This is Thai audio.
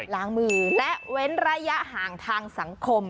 ล้างมือและเว้นระยะห่างทางสังคม